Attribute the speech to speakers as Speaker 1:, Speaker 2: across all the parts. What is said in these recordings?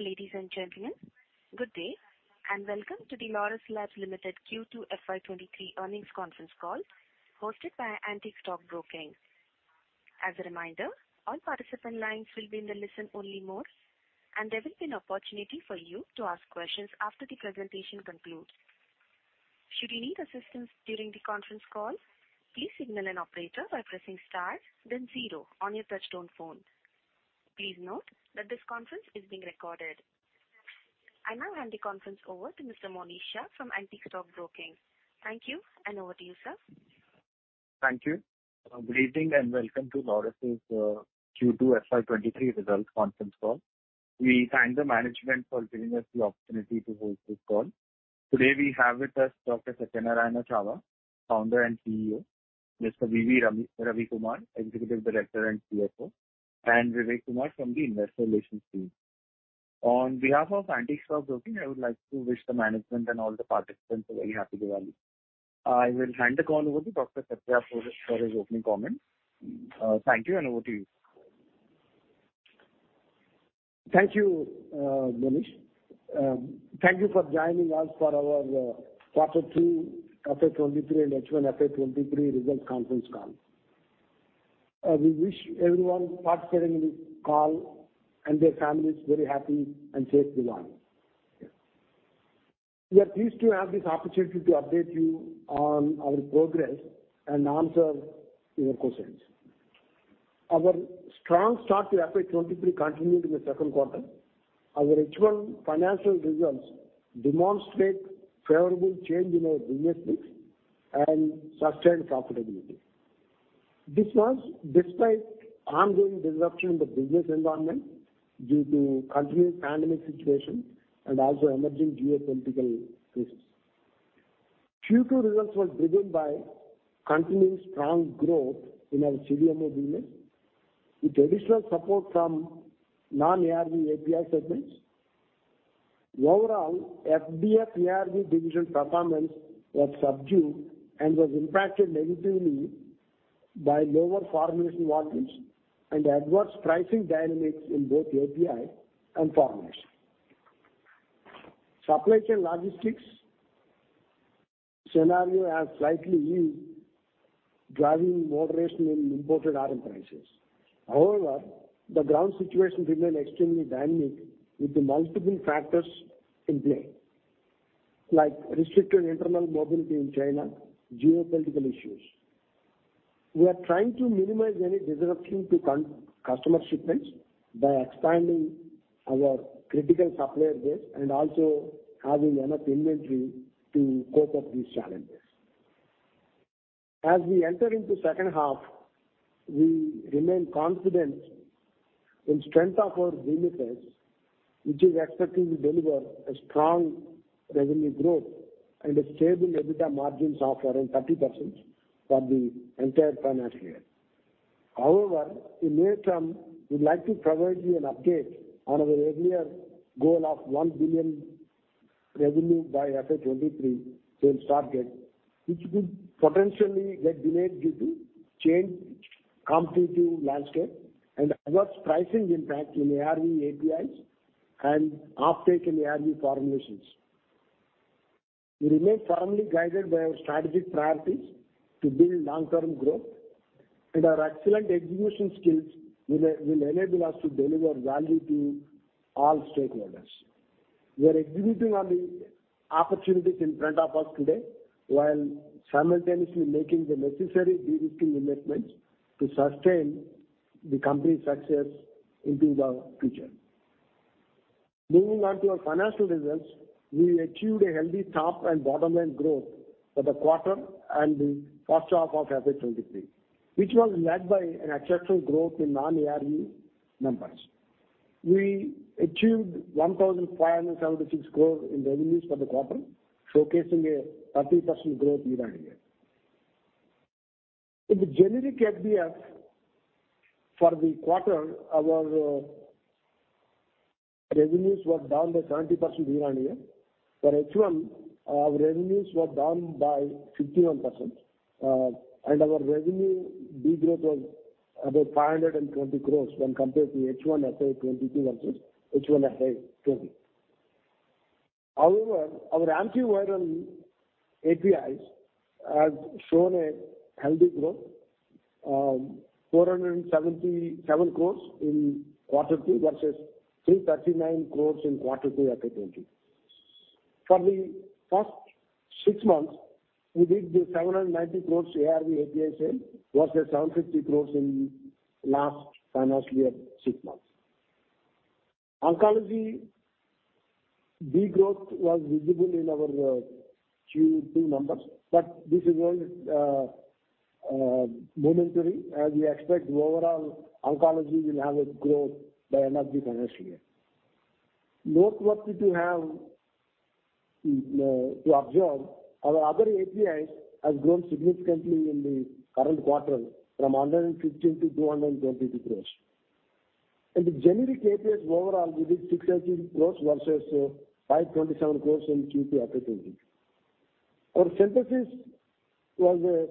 Speaker 1: Ladies and gentlemen, good day, and welcome to the Laurus Labs Limited Q2 FY 2023 earnings conference call hosted by Antique Stock Broking. As a reminder, all participant lines will be in the listen-only mode, and there will be an opportunity for you to ask questions after the presentation concludes. Should you need assistance during the conference call, please signal an operator by pressing star then zero on your touchtone phone. Please note that this conference is being recorded. I now hand the conference over to Mr. Monish Shah from Antique Stock Broking. Thank you, and over to you, sir.
Speaker 2: Thank you. Good evening, and welcome to Laurus Labs' Q2 FY 2023 results conference call. We thank the management for giving us the opportunity to hold this call. Today we have with us Dr. Satyanarayana Chava, founder and CEO, Mr. V.V. Ravi Kumar, executive director and CFO, and Vivek Kumar from the investor relations team. On behalf of Antique Stock Broking, I would like to wish the management and all the participants a very happy Diwali. I will hand the call over to Dr. Satya for his opening comments. Thank you, and over to you.
Speaker 3: Thank you, Monish. Thank you for joining us for our quarter two FY 2023 and H1 FY 2023 results conference call. We wish everyone participating in this call and their families very happy and safe Diwali. We are pleased to have this opportunity to update you on our progress and answer your questions. Our strong start to FY 2023 continued in the second quarter. Our H1 financial results demonstrate favorable change in our business mix and sustained profitability. This was despite ongoing disruption in the business environment due to continued pandemic situation and also emerging geopolitical crisis. Q2 results were driven by continuing strong growth in our CDMO business, with additional support from Non-ARV API segments. Overall FDF ARV division performance was subdued and was impacted negatively by lower formulation volumes and adverse pricing dynamics in both API and formulation. Supply chain logistics scenario has slightly eased, driving moderation in imported RM prices. However, the ground situation remains extremely dynamic with the multiple factors in play, like restricted internal mobility in China, geopolitical issues. We are trying to minimize any disruption to customer shipments by expanding our critical supplier base and also having enough inventory to cope up these challenges. As we enter into second half, we remain confident in strength of our businesses, which is expected to deliver a strong revenue growth and a stable EBITDA margins of around 30% for the entire financial year. However, in near term, we'd like to provide you an update on our earlier goal of $1 billion revenue by FY 2023 sales target, which could potentially get delayed due to change competitive landscape and adverse pricing impact in ARV APIs and uptake in ARV formulations. We remain firmly guided by our strategic priorities to build long-term growth, and our excellent execution skills will enable us to deliver value to all stakeholders. We are executing on the opportunities in front of us today while simultaneously making the necessary de-risking investments to sustain the company's success into the future. Moving on to our financial results, we achieved a healthy top- and bottom-line growth for the quarter and the first half of FY 2023, which was led by an exceptional growth in non-ARV numbers. We achieved 1,576 crores in revenues for the quarter, showcasing a 30% growth year-on-year. In the generic ARV for the quarter, our revenues were down by 70% year-on-year. For H1, our revenues were down by 51%. Our revenue degrowth was about 520 crore when compared to H1 FY 2022 versus H1 FY 2020. However, our antiviral APIs have shown a healthy growth, 477 crore in quarter two versus 339 crore in quarter two FY 2020. For the first six months, we did 790 crore ARV API sales versus 750 crore in last financial year six months. Oncology degrowth was visible in our Q2 numbers, but this is only momentary as we expect overall oncology will have a growth by end of the financial year. Our other APIs has grown significantly in the current quarter from 115 crore to 222 crore. In the generic APIs overall, we did 613 crores versus 527 crores in Q2 FY 2020. Our synthesis was a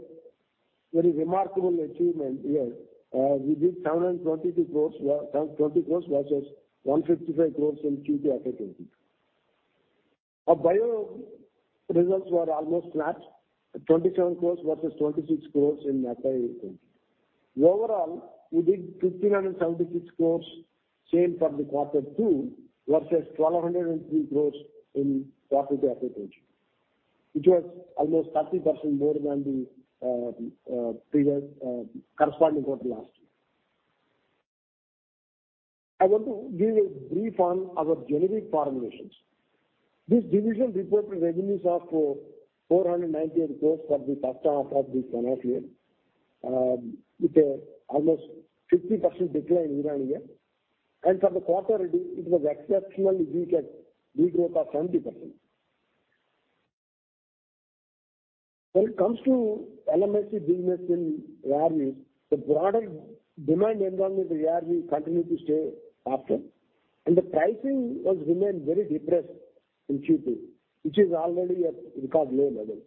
Speaker 3: very remarkable achievement here. We did 720 crores versus 155 crores in Q2 FY 2022. Our biology results were almost flat, at 27 crores versus 26 crores in FY 2020. Overall, we did 1,576 crores in sales for quarter two versus 1,203 crores in quarter two FY 2020, which was almost 30% more than the previous corresponding quarter last year. I want to give a brief on our generic formulations. This division reported revenues of 498 crores for the first half of this financial year with an almost 50% decline year-on-year. For the quarter, it was exceptionally weak at de-growth of 70%. When it comes to LMIC business in ARVs, the broader demand environment for ARV continued to stay softer, and the pricing has remained very depressed in Q2, which is already at record low levels.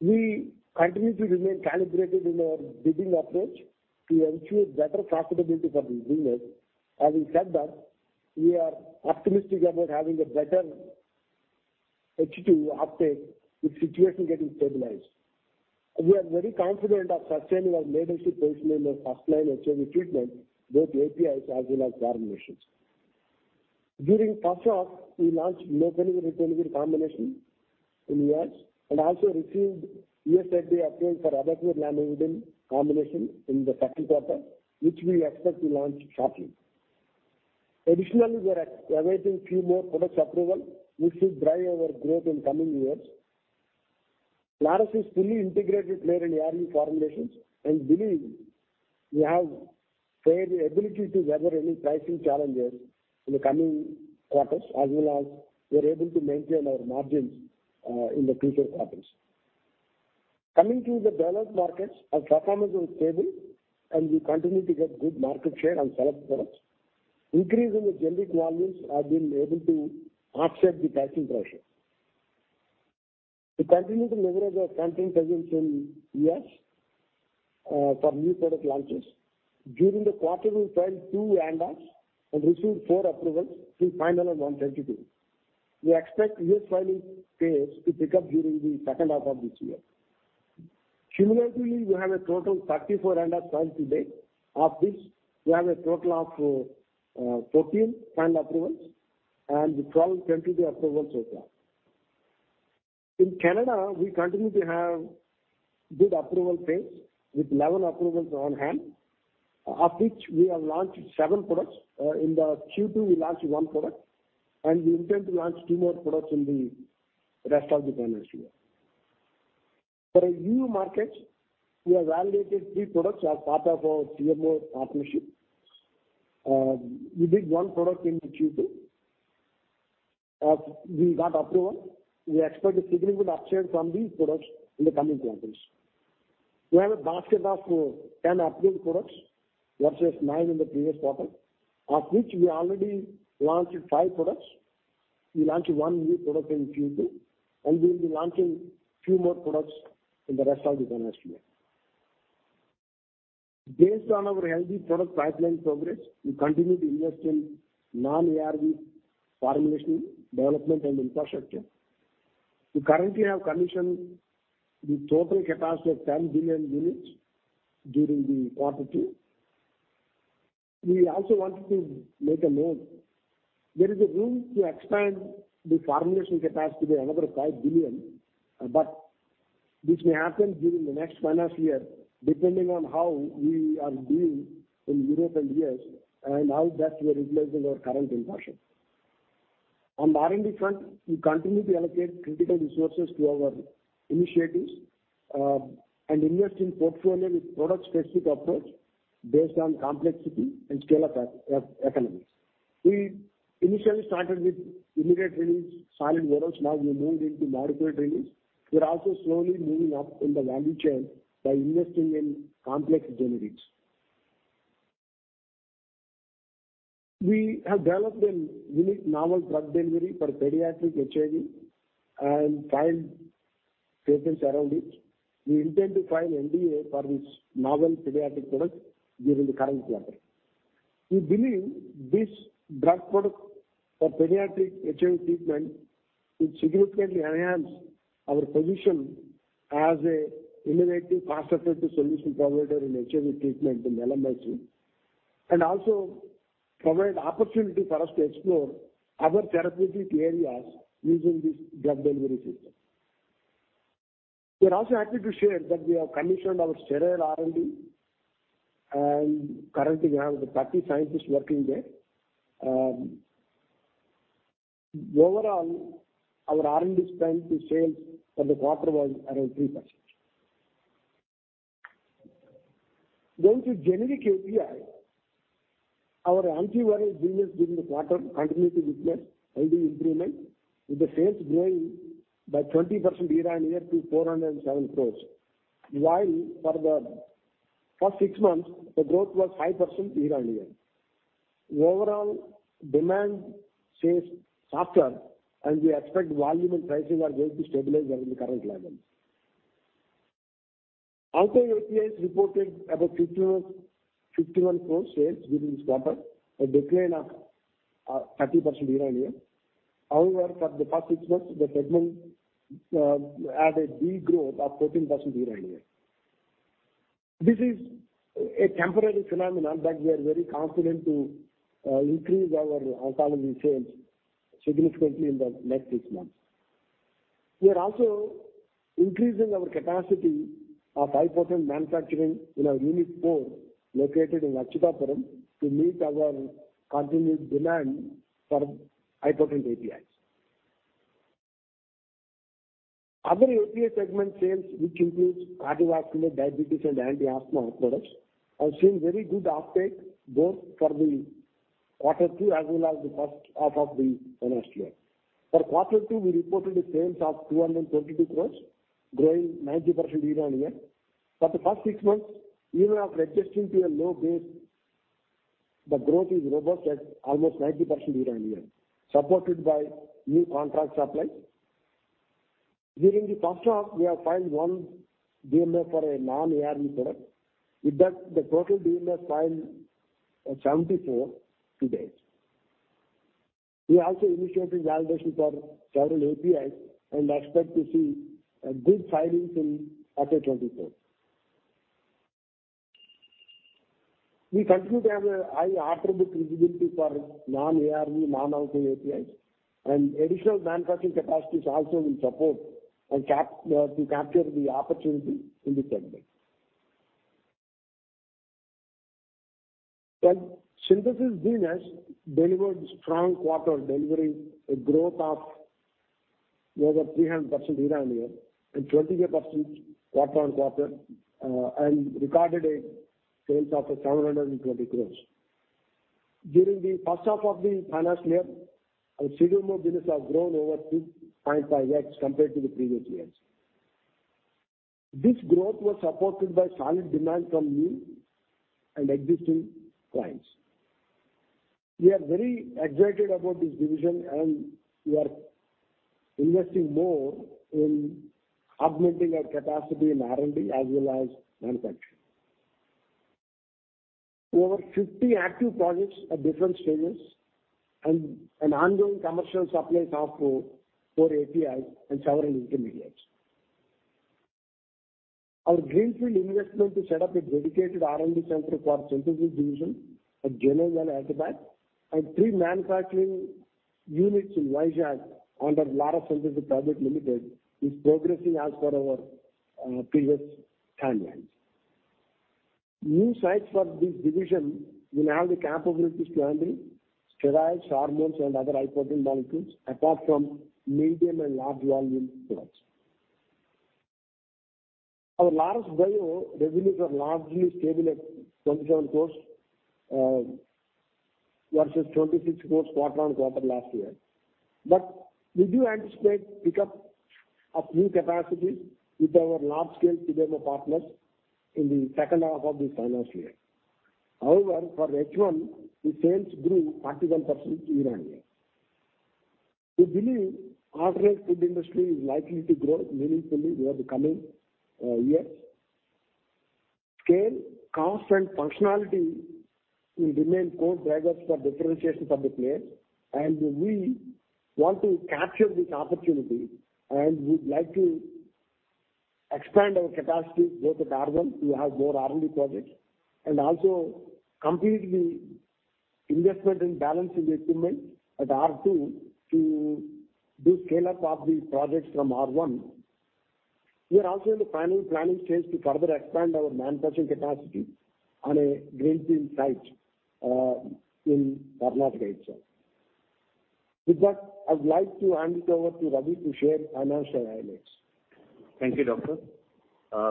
Speaker 3: We continue to remain calibrated in our bidding approach to ensure better profitability for the business. Having said that, we are optimistic about having a better H2 uptake with situation getting stabilized. We are very confident of sustaining our leadership position in the first-line HIV treatment, both APIs as well as formulations. During first half, we launched lamivudine/ritonavir combination in U.S. and also received U.S. FDA approval for abacavir/lamivudine combination in the second quarter, which we expect to launch shortly. Additionally, we are awaiting few more products approval, which should drive our growth in coming years. Laurus is fully integrated player in ARV formulations, and believe we have the ability to weather any pricing challenges in the coming quarters, as well as we are able to maintain our margins in the future quarters. Coming to the developed markets, our performance was stable, and we continue to get good market share on select products. Increase in the generic volumes have been able to offset the pricing pressure. We continue to leverage our strong presence in U.S. for new product launches. During the quarter, we filed two ANDAs and received four approvals, three final and one tentative. We expect U.S. filing pace to pick up during the second half of this year. Similarly, we have a total of 34 ANDAs filed to date. Of which we have a total of 14 final approvals and 12 tentative approvals so far. In Canada, we continue to have good approval pace with 11 approvals on hand, of which we have launched seven products. In the Q2, we launched one product, and we intend to launch two more products in the rest of the financial year. For EU markets, we have validated three products as part of our CMO partnership. We did one product in the Q2. We got approval. We expect a significant upside from these products in the coming quarters. We have a basket of 10 approved products versus nine in the previous quarter, of which we already launched five products. We launched one new product in Q2, and we'll be launching few more products in the rest of the financial year. Based on our healthy product pipeline progress, we continue to invest in non-ARV formulation development and infrastructure. We currently have commissioned the total capacity of 10 billion units during Q2. We also wanted to make a note. There is room to expand the formulation capacity another 5 billion, but this may happen during the next financial year, depending on how we are doing in Europe and U.S., and how best we are utilizing our current capacity. On R&D front, we continue to allocate critical resources to our initiatives and invest in portfolio with product-specific approach based on complexity and scale economies. We initially started with immediate-release solid orals. Now we moved into modified release. We're also slowly moving up in the value chain by investing in complex generics. We have developed a unique novel drug delivery for pediatric HIV and filed patents around it. We intend to file NDA for this novel pediatric product during the current quarter. We believe this drug product for pediatric HIV treatment will significantly enhance our position as a innovative, cost-effective solution provider in HIV treatment in LMIC, and also provide opportunity for us to explore other therapeutic areas using this drug delivery system. We are also happy to share that we have commissioned our sterile R&D, and currently we have 30 scientists working there. Overall, our R&D spend to sales for the quarter was around 3%. Going to generic API, our antiviral business during the quarter continued to witness healthy improvement, with the sales growing by 20% year-on-year to 407 crore. While for the first six months, the growth was 5% year-on-year. Overall demand stays softer, and we expect volume and pricing are going to stabilize at the current levels. Oncology APIs reported about 51 crore sales during this quarter, a decline of 30% year-on-year. However, for the past six months, the segment had a de-growth of 14% year-on-year. This is a temporary phenomenon that we are very confident to increase our oncology sales significantly in the next six months. We are also increasing our capacity of high-potent manufacturing in our unit 4 located in Achutapuram to meet our continued demand for high-potent APIs. Other API segment sales, which includes cardiovascular, diabetes, and anti-asthma products, have seen very good uptake both for the quarter two as well as the first half of the financial year. For quarter two, we reported sales of 222 crore, growing 90% year-on-year. For the first six months, even after adjusting to a low base, the growth is robust at almost 90% year-on-year, supported by new contract supply. During the first half, we have filed 1 DMF for a non-ARV product. With that, the total DMF filed are 74 to date. We are also initiating validation for several APIs and expect to see good filings in H2 2023. We continue to have a high order book visibility for non-ARV, non-oncology APIs, and additional manufacturing capacities also will support and to capture the opportunity in the segment. Synthesis business delivered strong quarter, delivering a growth of over 300% year-on-year and 28% quarter-on-quarter, and recorded a sales of 720 crore. During the first half of the financial year, our CDMO business have grown over 2.5x compared to the previous years. This growth was supported by solid demand from new and existing clients. We are very excited about this division, and we are investing more in augmenting our capacity in R&D as well as manufacturing. Over 50 active projects at different stages and an ongoing commercial supply portfolio for APIs and several intermediates. Our greenfield investment to set up a dedicated R&D center for synthesis division at Genome Valley and Hyderabad, and three manufacturing units in Vizag under Laurus Synthesis Private Limited is progressing as per our previous timelines. New sites for this division will have the capabilities to handle steroids, hormones and other high-potent molecules apart from medium and large volume products. Our Laurus Bio revenues are largely stable at 27 crores versus 26 crores quarter-on-quarter last year. We do anticipate pickup of new capacity with our large-scale CDMO partners in the second half of this financial year. However, for H1, the sales grew 31% year-on-year. We believe alternate food industry is likely to grow meaningfully over the coming years. Scale, cost, and functionality will remain core drivers for differentiation for the players, and we want to capture this opportunity, and we'd like to expand our capacity both at R1 to have more R&D projects and also complete the investment and balancing equipment at R2 to do scale-up of the projects from R1. We are also in the planning stage to further expand our manufacturing capacity on a greenfield site in Karnataka itself. With that, I'd like to hand it over to Ravi to share financial highlights.
Speaker 4: Thank you, Doctor.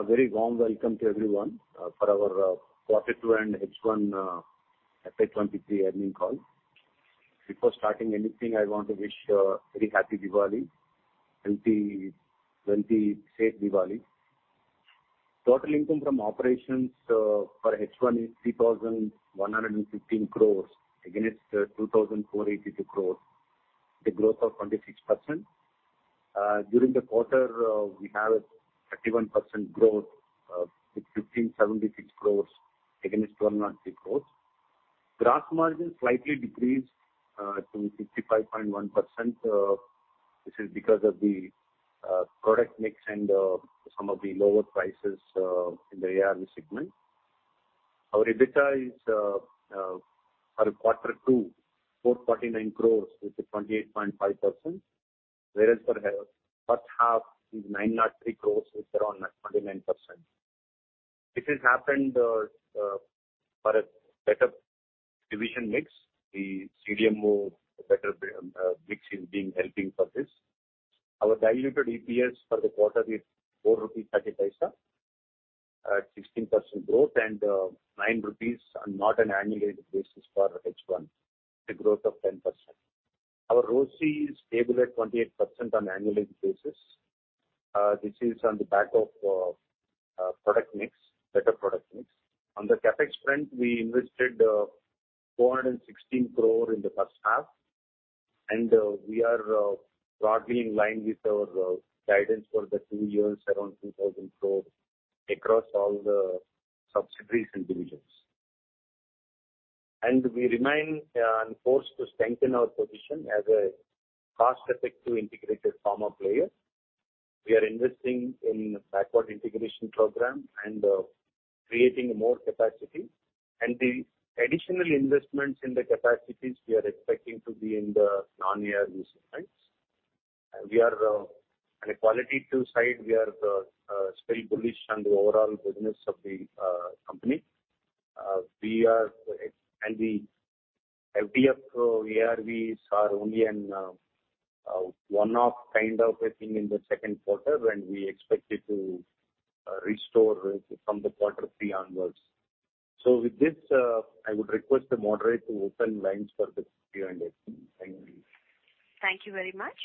Speaker 4: Very warm welcome to everyone for our quarter two and H1 FY 2023 earnings call. Before starting anything, I want to wish a very happy Diwali. Healthy safe Diwali. Total income from operations for H1 is 3,115 crores against 2,482 crores, a growth of 26%. During the quarter, we have 31% growth with 1,576 crores against 1,203 crores. Gross margin slightly decreased to 65.1%. This is because of the product mix and some of the lower prices in the ARV segment. Our EBITDA is for quarter two, 449 crores with a 28.5%, whereas for first half is 903 crores with around 29%. This has happened for a better division mix. The CDMO better mix is being helping for this. Our diluted EPS for the quarter is 4.30 rupees at 16% growth and 9 rupees on a non-annualized basis for H1, a growth of 10%. Our ROCE is stable at 28% on an annualized basis.
Speaker 3: This is on the back of better product mix. On the CapEx front, we invested 416 crore in the first half, and we are broadly in line with our guidance for the two years around 2,000 crore across all the subsidiaries and divisions. We remain focused to strengthen our position as a cost-effective integrated pharma player. We are investing in backward integration program and creating more capacity. The additional investments in the capacities we are expecting to be in the non-ARV space. We are on a qualitative side, we are still bullish on the overall business of the company. The FDF ARVs are only a one-off kind of a thing in the second quarter, and we expect it to restore from quarter three onward. With this, I would request the moderator to open lines for the Q&A. Thank you.
Speaker 1: Thank you very much.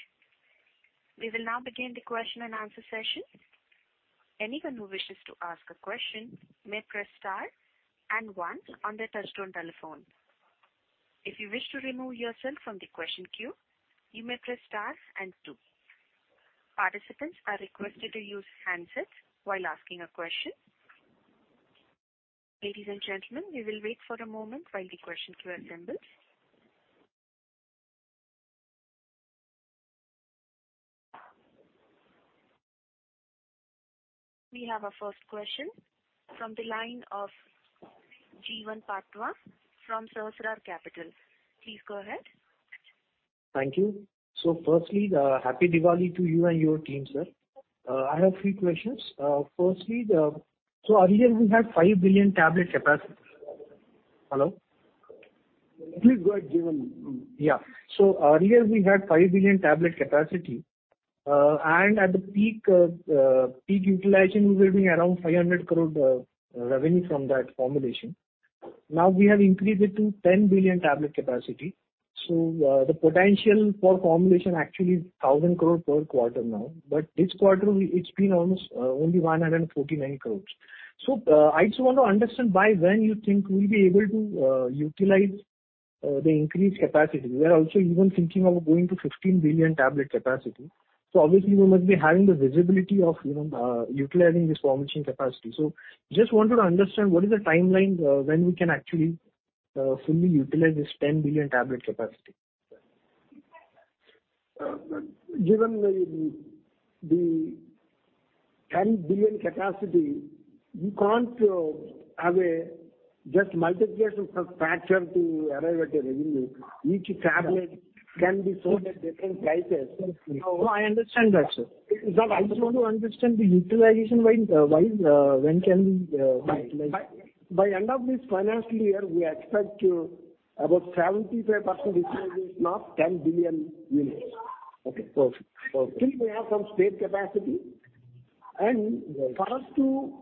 Speaker 1: We will now begin the question-and-answer session. Anyone who wishes to ask a question may press star and one on their touch-tone telephone. If you wish to remove yourself from the question queue, you may press star and two. Participants are requested to use handsets while asking a question. Ladies and gentlemen, we will wait for a moment while the question queue assembles. We have our first question from the line of Jeevan Patwa from Sahasrar Capital. Please go ahead.
Speaker 5: Thank you. Firstly, happy Diwali to you and your team, sir. I have three questions. Firstly, earlier we had 5 billion tablet capacity. Hello?
Speaker 3: Please go ahead, Jeevan.
Speaker 5: Yeah. Earlier we had 5 billion tablet capacity, and at the peak utilization will be around 500 crore revenue from that formulation. Now we have increased it to 10 billion tablet capacity. The potential for formulation actually is 1,000 crore per quarter now, but this quarter it's been almost only 149 crores. I just want to understand by when you think we'll be able to utilize the increased capacity. We are also even thinking of going to 15 billion tablet capacity. Obviously you must be having the visibility of, you know, utilizing this formulation capacity. Just wanted to understand what is the timeline when we can actually fully utilize this 10 billion tablet capacity.
Speaker 3: Given the 10 billion capacity, you can't have just a multiplication factor to arrive at a revenue. Each tablet can be sold at different prices.
Speaker 5: No, I understand that, sir. I just want to understand the utilization, when can we utilize?
Speaker 3: By end of this financial year, we expect about 75% utilization of 10 billion units.
Speaker 5: Okay. Perfect. Perfect.
Speaker 3: Still we have some spare capacity. For us to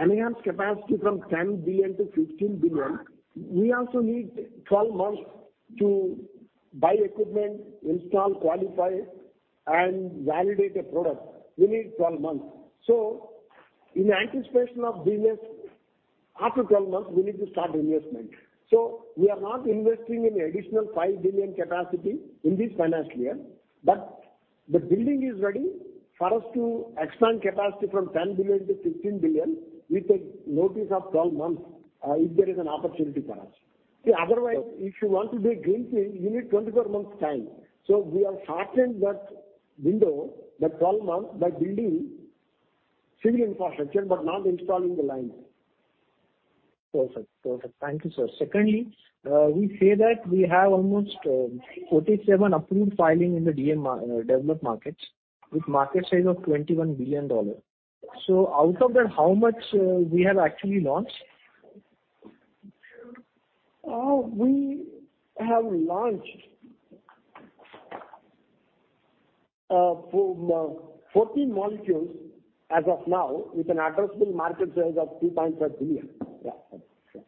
Speaker 3: enhance capacity from 10 billion to 15 billion, we also need 12 months to buy equipment, install, qualify, and validate a product. We need 12 months. In anticipation of business after 12 months, we need to start investment. We are not investing in additional 5 billion capacity in this financial year. The building is ready for us to expand capacity from 10 billion to 15 billion with a notice of 12 months, if there is an opportunity for us. Otherwise, if you want to do a greenfield, you need 24 months time. We have shortened that window by 12 months by building civil infrastructure, but not installing the line.
Speaker 5: Perfect. Thank you, sir. Secondly, we say that we have almost 47 approved filings in the DMF, developed markets with market size of $21 billion. Out of that, how much we have actually launched?
Speaker 3: We have launched 14 molecules as of now with an addressable market size of 2.5 billion.
Speaker 5: Yeah. Sure.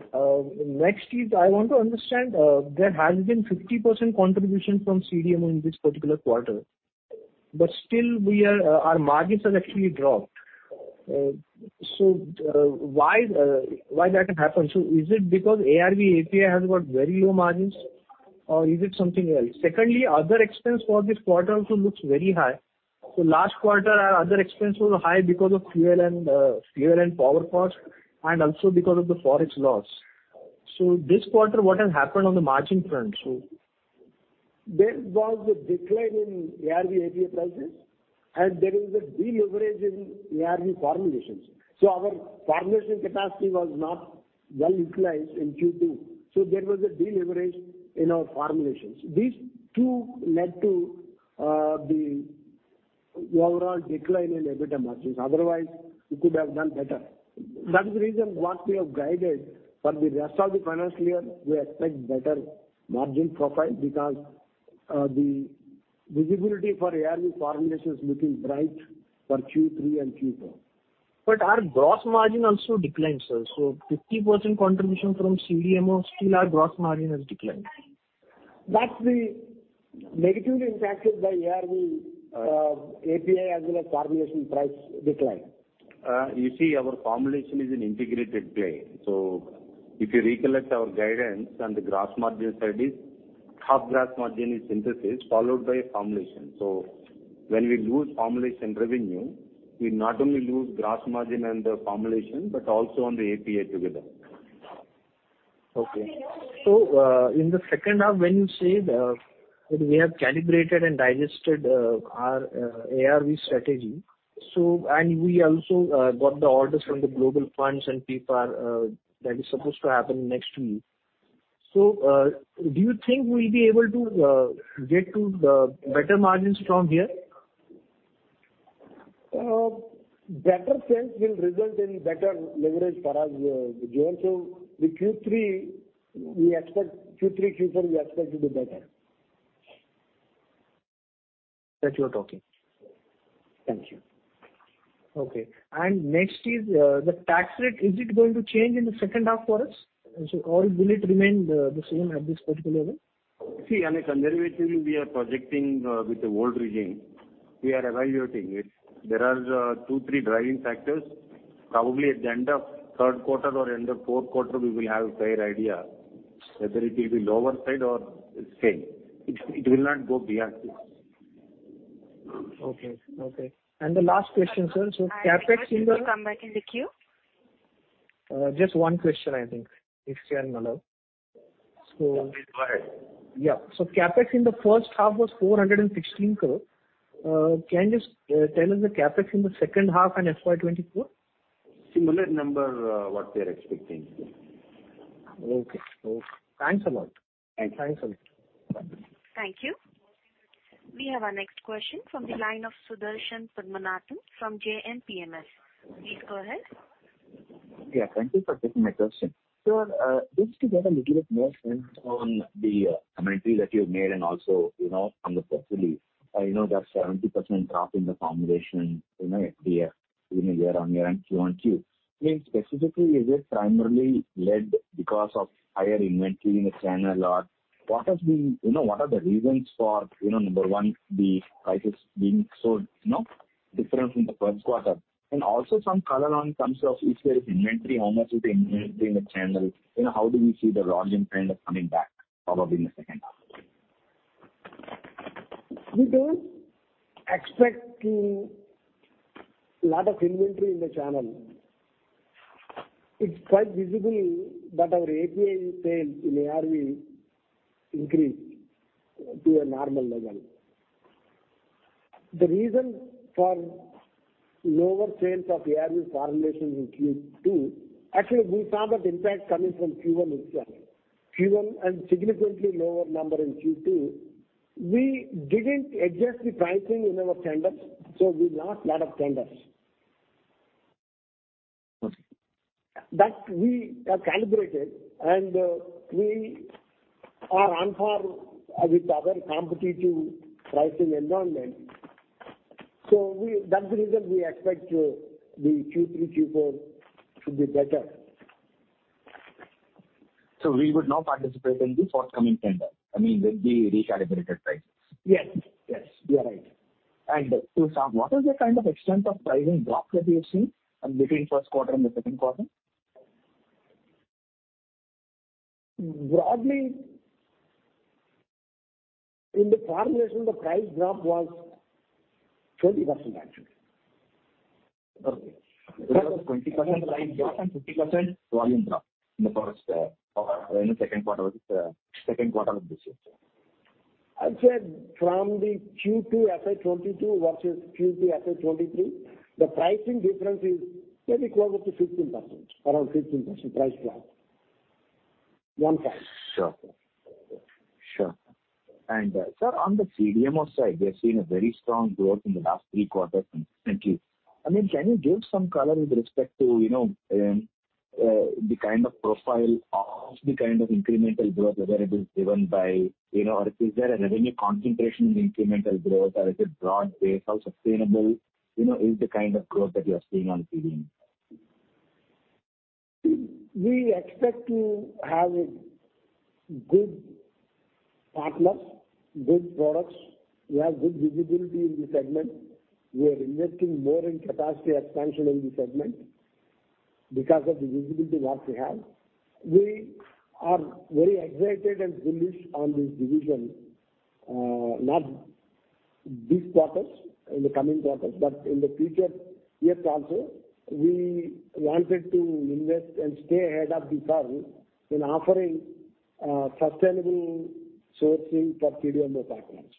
Speaker 5: Okay. Next is I want to understand, there has been 50% contribution from CDMO in this particular quarter, but still we are, our margins have actually dropped. Why that has happened? Is it because ARV API has got very low margins or is it something else? Secondly, other expense for this quarter also looks very high. Last quarter our other expense was high because of fuel and power cost, and also because of the Forex loss. This quarter, what has happened on the margin front?
Speaker 3: There was a decline in ARV API prices, and there is a deleverage in ARV formulations. Our formulation capacity was not well utilized in Q2, so there was a deleverage in our formulations. These two led to the overall decline in EBITDA margins. Otherwise, we could have done better. That is the reason what we have guided for the rest of the financial year, we expect better margin profile because the visibility for ARV formulation is looking bright for Q3 and Q4.
Speaker 5: Our gross margin also declined, sir. 50% contribution from CDMO, still our gross margin has declined.
Speaker 3: That's negatively impacted by ARV, API as well as formulation price decline.
Speaker 5: You see our formulation is an integrated play. If you recollect our guidance on the gross margin side is half gross margin is synthesis followed by formulation. When we lose formulation revenue, we not only lose gross margin and the formulation, but also on the API together.
Speaker 3: Okay.
Speaker 5: In the second half, when you say that we have calibrated and digested our ARV strategy, and we also got the orders from the global funds and that is supposed to happen next week. Do you think we'll be able to get to the better margins from here?
Speaker 3: Better sense will result in better leverage for us, Vijay. The Q3 we expect, Q4 we expect to be better.
Speaker 5: Thank you. Okay. Next is the tax rate. Is it going to change in the second half for us? Or will it remain the same at this particular level?
Speaker 3: See, I mean, conservatively we are projecting with the old regime, we are evaluating it. There are two, three driving factors. Probably at the end of third quarter or end of fourth quarter we will have a fair idea whether it will be lower side or same. It will not go beyond this.
Speaker 5: Okay. The last question, sir. CapEx in the-
Speaker 1: Come back in the queue.
Speaker 5: Just one question I think, if you're allowed.
Speaker 3: Please go ahead.
Speaker 5: CapEx in the first half was 416 crore. Can you just tell us the CapEx in the second half and FY 2024?
Speaker 3: Similar number, what we are expecting.
Speaker 5: Okay. Thanks a lot.
Speaker 3: Thank you.
Speaker 5: Thanks a lot.
Speaker 3: Bye.
Speaker 1: Thank you. We have our next question from the line of Sudarshan Padmanabhan from JM Financial PMS. Please go ahead.
Speaker 6: Yeah, thank you for taking my question. Just to get a little bit more sense on the commentary that you've made and also, you know, on the portfolio. I know there's a 70% drop in the formulations and API even year-on-year and Q-on-Q. I mean, specifically is it primarily led because of higher inventory in the channel? Or what has been, you know, what are the reasons for, you know, number one, the prices being so, you know, different in the first quarter. And also some color in terms of if there is inventory, how much is the inventory in the channel? You know, how do we see the raw material kind of coming back probably in the second half?
Speaker 3: We don't expect a lot of inventory in the channel. It's quite visible that our API sales in ARV increased to a normal level. The reason for lower sales of ARV formulation in Q2, actually we saw that impact coming from Q1 itself. Q1 and significantly lower number in Q2. We didn't adjust the pricing in our tenders, so we lost a lot of tenders.
Speaker 6: Okay.
Speaker 3: That we have calibrated and we are on par with other competitive pricing environment. That's the reason we expect the Q3, Q4 to be better.
Speaker 6: We would now participate in the forthcoming tender. I mean, with the recalibrated prices.
Speaker 3: Yes. Yes, you are right.
Speaker 6: To start, what is the kind of extent of pricing drop that you have seen, between first quarter and the second quarter?
Speaker 3: Broadly, in the formulation the price drop was 20% actually.
Speaker 6: It was 20% price drop and 50% volume drop in the first, or in the second quarter of this year, sir.
Speaker 3: I said from the Q2 FY 2022 versus Q2 FY 2023, the pricing difference is very closer to 15%, around 15% price drop. One five.
Speaker 6: Sure. Sir, on the CDMO side, we are seeing a very strong growth in the last three quarters consistently. I mean, can you give some color with respect to, you know, the kind of profile of the kind of incremental growth, whether it is driven by, you know, or is there a revenue concentration in incremental growth or is it broad-based? How sustainable, you know, is the kind of growth that you are seeing on CDMO?
Speaker 3: We expect to have good partners, good products. We have good visibility in the segment. We are investing more in capacity expansion in the segment because of the visibility what we have. We are very excited and bullish on this division, not this quarters, in the coming quarters, but in the future years also. We wanted to invest and stay ahead of the curve in offering sustainable sourcing for CDMO partners.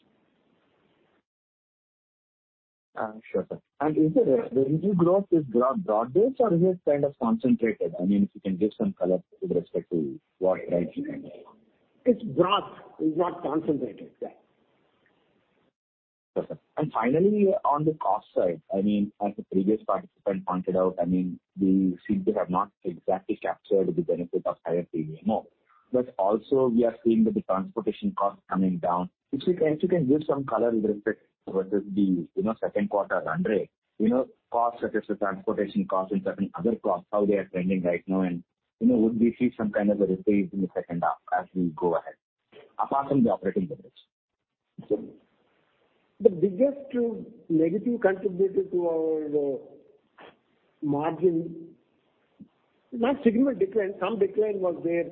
Speaker 6: Sure, sir. Is the revenue growth is broad-based or is it kind of concentrated? I mean, if you can give some color with respect to what type you can give.
Speaker 3: It's broad. It's not concentrated. Yeah.
Speaker 6: Finally, on the cost side, I mean, as the previous participant pointed out, I mean, we seem to have not exactly captured the benefit of higher CDMO. Also we are seeing that the transportation costs coming down. If you can give some color with respect towards the, you know, second quarter run rate. You know, costs such as the transportation costs and certain other costs, how they are trending right now. You know, would we see some kind of a reprieve in the second half as we go ahead, apart from the operating leverage?
Speaker 3: The biggest negative contributor to our margin, not significant decline, some decline was there,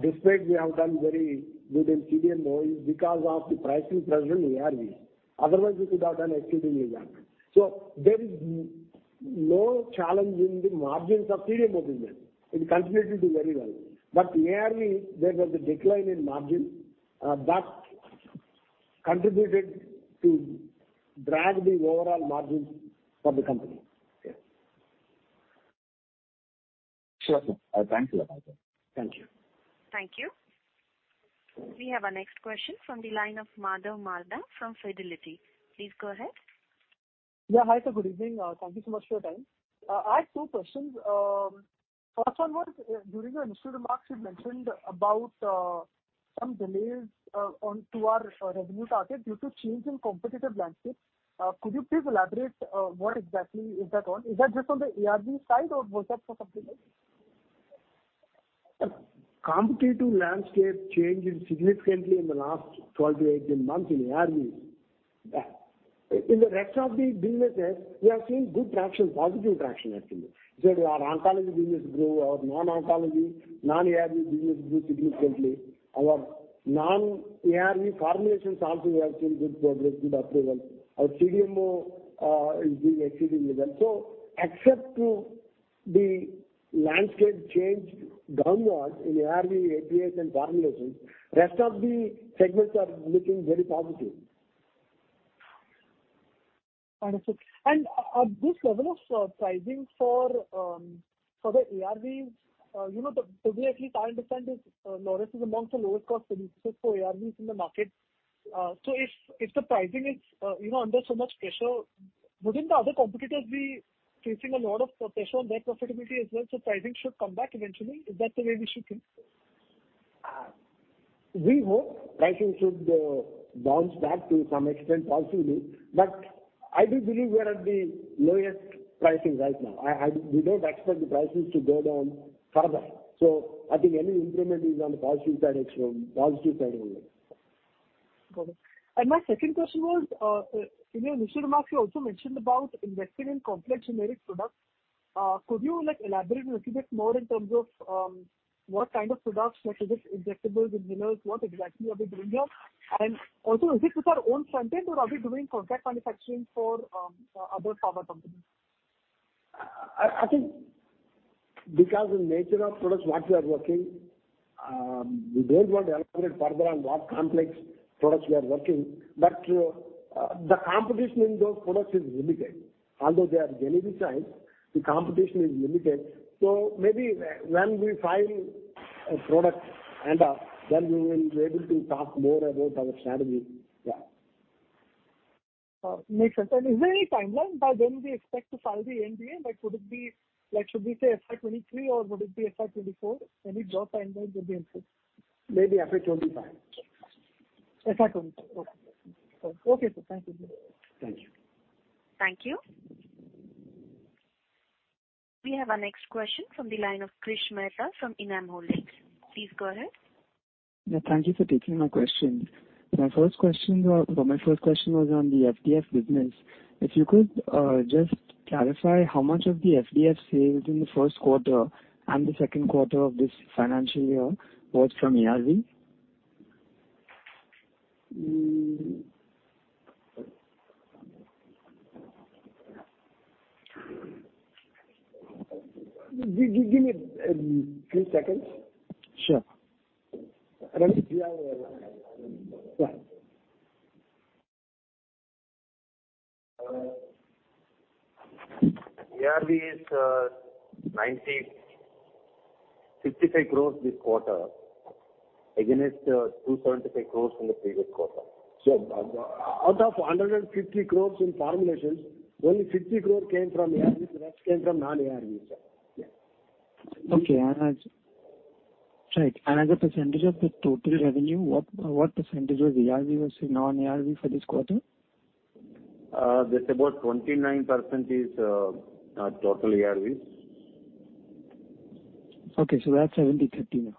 Speaker 3: despite we have done very good in CDMO, is because of the pricing pressure in ARV. Otherwise, we could have done exceedingly well. There is no challenge in the margins of CDMO business. It continued to do very well. ARV, there was a decline in margin, that contributed to drag the overall margins for the company. Yes.
Speaker 6: Sure. Thank you.
Speaker 3: Thank you.
Speaker 1: Thank you. We have our next question from the line of Madhav Marda from Fidelity. Please go ahead.
Speaker 7: Yeah. Hi, sir. Good evening. Thank you so much for your time. I have two questions. First one was, during your initial remarks, you mentioned about some delays on the ARV revenue target due to change in competitive landscape. Could you please elaborate what exactly is that on? Is that just on the ARV side or was that for something else?
Speaker 3: Competitive landscape changed significantly in the last 12-18 months in ARV. In the rest of the businesses, we are seeing good traction, positive traction actually. Our oncology business grew. Our non-oncology, non-ARV business grew significantly. Our non-ARV formulations also we have seen good progress, good approval. Our CDMO is doing exceedingly well. Except for the landscape change downward in ARV, APIs, and formulations, rest of the segments are looking very positive.
Speaker 7: Understood. This level of pricing for the ARV, you know, the way I at least understand is, Laurus is amongst the lowest cost producers for ARVs in the market. So if the pricing is, you know, under so much pressure, wouldn't the other competitors be facing a lot of pressure on their profitability as well, so pricing should come back eventually? Is that the way we should think?
Speaker 3: We hope pricing should bounce back to some extent positively. I do believe we are at the lowest pricing right now. We don't expect the prices to go down further. I think any improvement is on the positive side only.
Speaker 7: Got it. My second question was in your initial remarks, you also mentioned about investing in complex generic products. Could you, like, elaborate a little bit more in terms of what kind of products, like is it injectables, inhalers? What exactly are we doing here? Is it with our own front end or are we doing contract manufacturing for other pharma companies?
Speaker 3: I think because the nature of products what we are working, we don't want to elaborate further on what complex products we are working. The competition in those products is limited. Although they are generic in size, the competition is limited. Maybe when we file a product and, then we will be able to talk more about our strategy there.
Speaker 7: Makes sense. Is there any timeline by when we expect to file the NDA? Like, should we say FY 2023 or would it be FY 2024? Any rough timeline would be helpful.
Speaker 3: Maybe FY 2025.
Speaker 7: FY 2025. Okay. Okay, sir. Thank you.
Speaker 3: Thank you.
Speaker 1: Thank you. We have our next question from the line of Krish Mehta from Enam Holdings. Please go ahead.
Speaker 8: Yeah. Thank you for taking my question. My first question was on the FDF business. If you could, just clarify how much of the FDF sales in the first quarter and the second quarter of this financial year was from ARV?
Speaker 3: Give me few seconds.
Speaker 8: Sure.
Speaker 4: Ravi, yeah. ARV is 55 crores this quarter against 275 crores in the previous quarter. Out of 150 crores in formulations, only 50 crores came from ARV. The rest came from non-ARV, sir. Yeah.
Speaker 8: Okay. As a percentage of the total revenue, what percentage was ARV versus non-ARV for this quarter?
Speaker 4: Just about 29% is total ARV.
Speaker 8: Okay. We're at 70/30 now.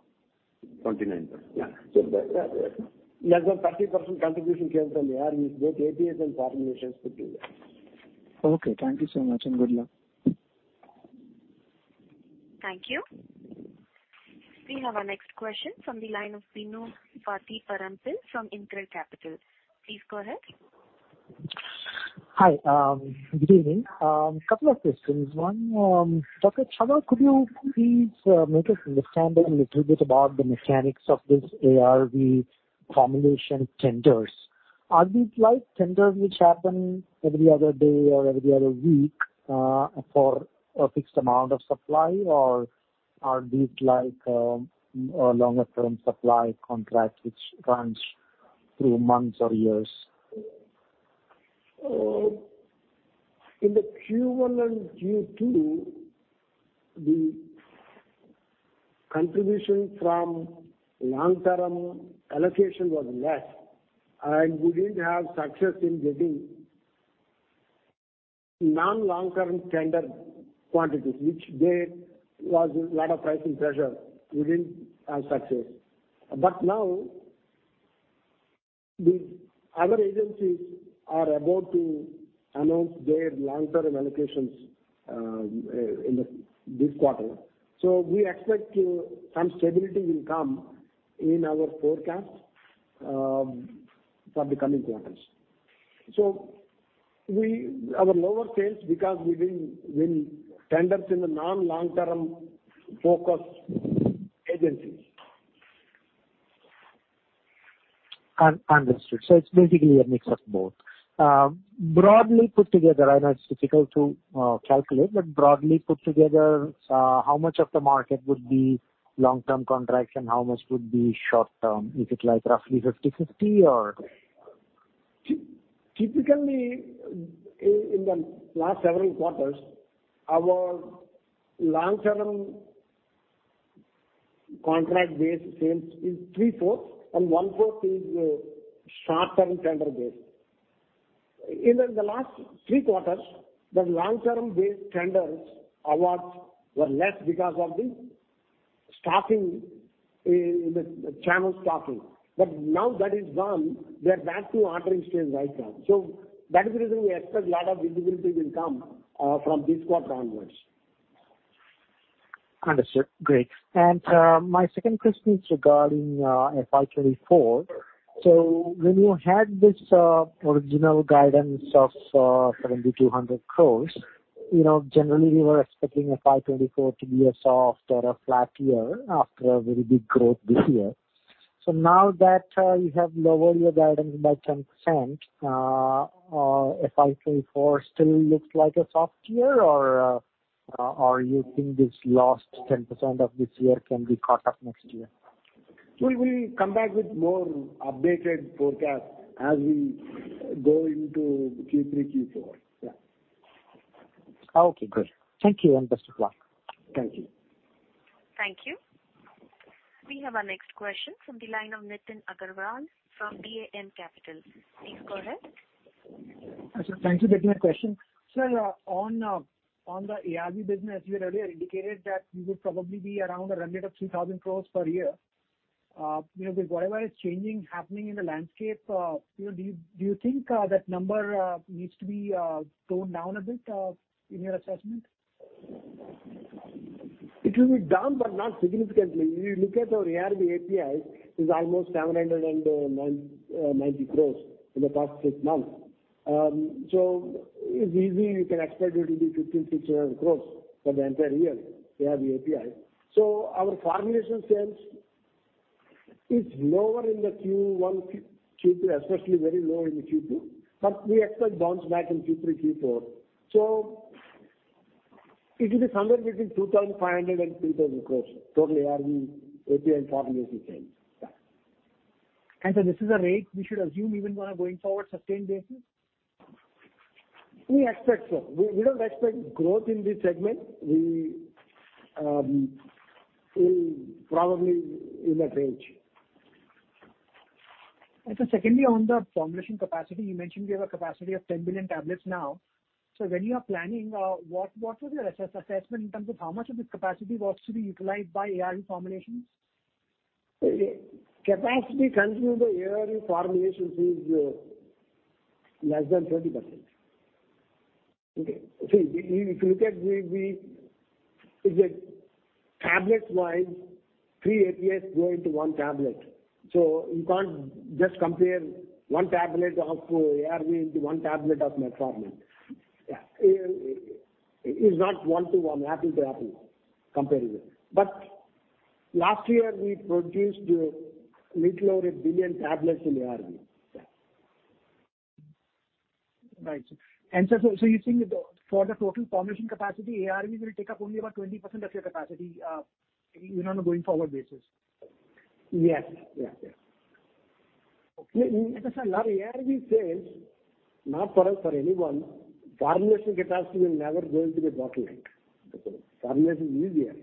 Speaker 3: 29%. Yeah. The less than 30% contribution came from ARV. Rest APIs and formulations put together.
Speaker 8: Okay. Thank you so much, and good luck.
Speaker 1: Thank you. We have our next question from the line of Bino Pathiparampil from Elara Capital. Please go ahead.
Speaker 9: Hi. Good evening. Couple of questions. One, Dr. Satyanarayana Chava, could you please make us understand a little bit about the mechanics of this ARV formulation tenders? Are these like tenders which happen every other day or every other week for a fixed amount of supply? Or are these like a longer term supply contract which runs through months or years?
Speaker 3: In the Q1 and Q2, the contribution from long-term allocation was less, and we didn't have success in getting non-long-term tender quantities, which there was a lot of pricing pressure. Now the other agencies are about to announce their long-term allocations in this quarter. We expect some stability will come in our forecast for the coming quarters. Our lower sales because we didn't win tenders in the non-long-term focused agencies.
Speaker 9: Understood. It's basically a mix of both. Broadly put together, I know it's difficult to calculate, but broadly put together, how much of the market would be long-term contracts and how much would be short-term? Is it like roughly 50/50 or?
Speaker 3: Typically in the last several quarters, our long-term contract-based sales is three-fourths and one-fourth is short-term tender base. In the last three quarters, the long-term base tenders awards were less because of the stocking in the channel stocking. Now that is done, we are back to ordering stage right now. That is the reason we expect a lot of visibility will come from this quarter onwards.
Speaker 9: Understood. Great. My second question is regarding FY 2024. When you had this original guidance of 7,200 crore, you know, generally we were expecting FY 2024 to be a soft or a flat year after a very big growth this year. Now that you have lowered your guidance by 10%, FY 2024 still looks like a soft year or you think this last 10% of this year can be caught up next year?
Speaker 3: We will come back with more updated forecast as we go into Q3, Q4. Yeah.
Speaker 9: Okay, good. Thank you, and best of luck.
Speaker 3: Thank you.
Speaker 1: Thank you. We have our next question from the line of Nitin Agarwal from DAM Capital. Please go ahead.
Speaker 10: Thank you for taking my question. Sir, on the ARV business, you had earlier indicated that you would probably be around a run rate of 3,000 crore per year. You know, with whatever is changing, happening in the landscape, you know, do you think that number needs to be toned down a bit in your assessment?
Speaker 3: It will be down, but not significantly. If you look at our ARV API, it's almost 790 crore in the past six months. It's easy, you can expect it to be 1,500-1,600 crore for the entire year, ARV API. Our formulation sales is lower in the Q1, Q2, especially very low in the Q2, but we expect bounce back in Q3, Q4. It will be somewhere between 2,500 crore-3,000 crore, total ARV API and formulation sales. Yeah.
Speaker 10: This is a rate we should assume even while going forward sustained basis?
Speaker 3: We expect so. We don't expect growth in this segment. We will probably in that range.
Speaker 10: Sir, secondly, on the formulation capacity, you mentioned you have a capacity of 10 billion tablets now. When you are planning, what is your assessment in terms of how much of this capacity wants to be utilized by ARV formulations?
Speaker 3: Capacity consumed by ARV formulations is less than 30%.
Speaker 10: Okay.
Speaker 3: See, if you look at the tablet-wise, three APIs go into one tablet. You can't just compare one tablet of ARV to one tablet of Metformin.
Speaker 10: Yeah.
Speaker 3: It's not one to one, apple to apple comparable. Last year we produced a little over 1 billion tablets in ARV. Yeah.
Speaker 10: Right. Sir, you're saying for the total formulation capacity, ARV will take up only about 20% of your capacity, you know, on a going forward basis?
Speaker 3: Yes. Yeah. Yeah. A lot of ARV sales, not for us, for anyone, formulation capacity will never going to be a bottleneck. Formulation is easier.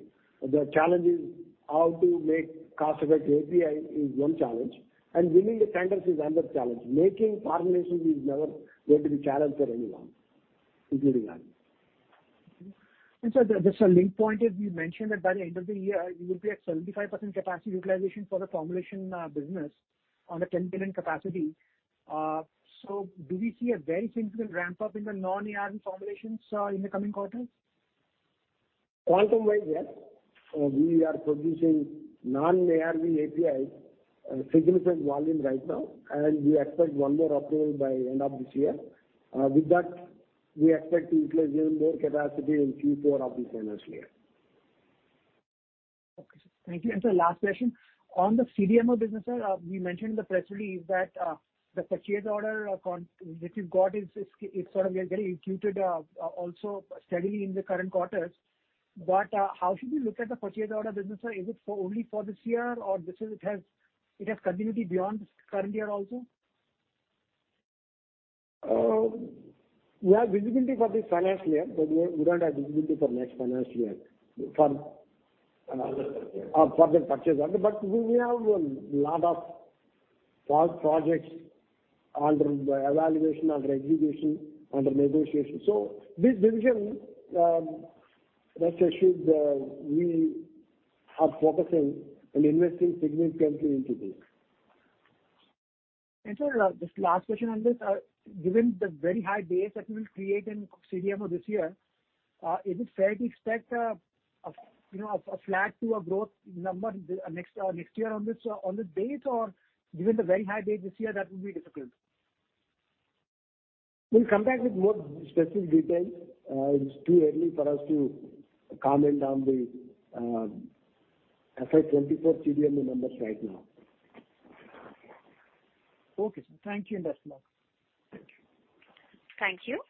Speaker 3: The challenge is how to make cost-effective API is one challenge, and winning the tenders is another challenge. Making formulations is never going to be a challenge for anyone, including us.
Speaker 10: Sir, just one point, as you mentioned that by the end of the year, you will be at 75% capacity utilization for the formulation business on the 10 billion capacity. Do we see a very significant ramp-up in the non-ARV formulations in the coming quarters?
Speaker 3: Volume-wise, yes. We are producing Non-ARV APIs, significant volume right now, and we expect one more approval by end of this year. With that, we expect to utilize even more capacity in Q4 of this financial year.
Speaker 10: Okay, sir. Thank you. Sir, last question. On the CDMO business, sir, we mentioned in the press release that the purchase order contract that you've got is sort of getting executed also steadily in the current quarters. How should we look at the purchase order business, sir? Is it only for this year or does it have continuity beyond this current year also?
Speaker 3: We have visibility for this financial year, but we don't have visibility for next financial year for.
Speaker 10: For the purchase order.
Speaker 3: For the purchase order. We have a lot of projects under evaluation, under execution, under negotiation. This division, rest assured, we are focusing and investing significantly into this.
Speaker 10: Sir, just last question on this. Given the very high base that you will create in CDMO this year, is it fair to expect a you know a flat to a growth number next year on this base? Or given the very high base this year, that will be difficult?
Speaker 3: We'll come back with more specific details. It's too early for us to comment on the FY 2024 CDMO numbers right now.
Speaker 10: Okay, sir. Thank you. That's all.
Speaker 3: Thank you.
Speaker 1: Thank you.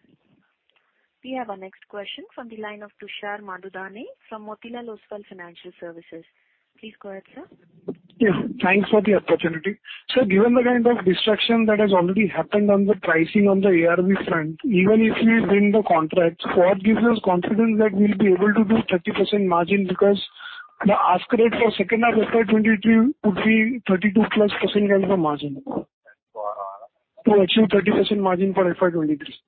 Speaker 1: We have our next question from the line of Tushar Manudhane from Motilal Oswal Financial Services. Please go ahead, sir.
Speaker 11: Yeah, thanks for the opportunity. Sir, given the kind of disruption that has already happened on the pricing on the ARV front, even if we win the contracts, what gives us confidence that we'll be able to do 30% margin because the ask rate for second half FY 2023 would be 32%+ kind of a margin. To achieve 30% margin for FY 2023.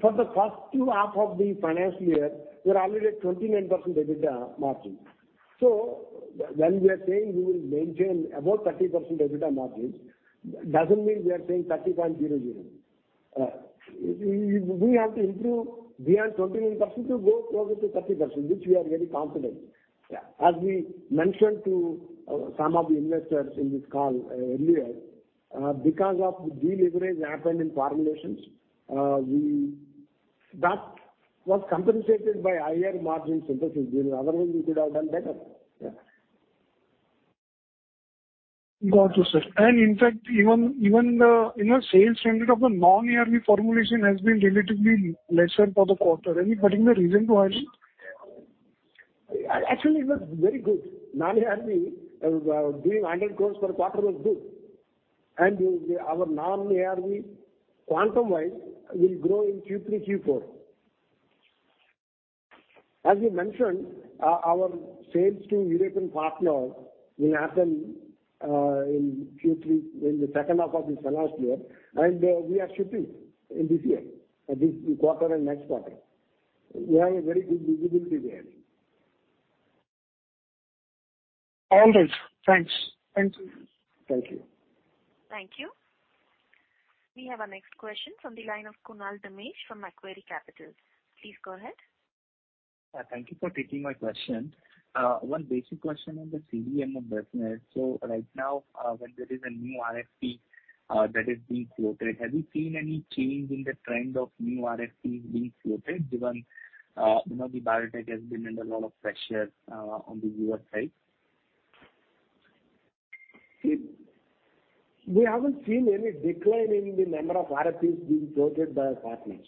Speaker 3: For the first half of the financial year, we're already at 29% EBITDA margin. When we are saying we will maintain above 30% EBITDA margin, doesn't mean we are saying 30.00. We have to improve beyond 29% to go forward to 30%, which we are very confident. As we mentioned to some of the investors in this call earlier, because of the deleveraging that happened in formulations, that was compensated by higher margin synthesis division. Otherwise, we could have done better.
Speaker 11: Got you, sir. In fact, even the, you know, sales trend of the non-ARV formulation has been relatively lesser for the quarter. Any particular reason why?
Speaker 3: Actually, it was very good. Non-ARV doing 100 crore per quarter was good. Our non-ARV quantum-wise will grow in Q3, Q4. As we mentioned, our sales to European partner will happen in Q3, in the second half of this financial year, and we are shipping in this year, this quarter and next quarter. We have a very good visibility there.
Speaker 11: All right. Thanks. Thank you.
Speaker 3: Thank you.
Speaker 1: Thank you. We have our next question from the line of Kunal Dhamesha from Macquarie Capital. Please go ahead.
Speaker 12: Thank you for taking my question. One basic question on the CDMO business. Right now, when there is a new RFP that is being floated, have you seen any change in the trend of new RFPs being floated, given, you know, the biotech has been under a lot of pressure on the U.S. side?
Speaker 3: We haven't seen any decline in the number of RFPs being floated by our partners